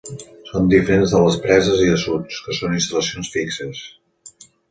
Són diferents de les preses i assuts que són instal·lacions fixes.